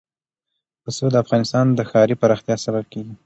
پسه د افغانستان د ښاري پراختیا سبب کېږي.